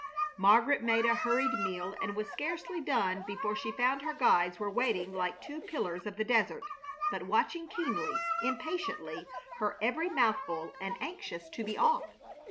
Margaret made a hurried meal and was scarcely done before she found her guides were waiting like two pillars of the desert, but watching keenly, impatiently, her every mouthful, and anxious to be off.